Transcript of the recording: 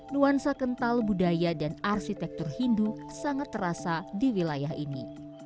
nuansa kental budaya dan arsitektur hindu sangat terasa di wilayah ini